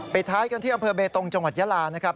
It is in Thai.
ท้ายกันที่อำเภอเบตงจังหวัดยาลานะครับ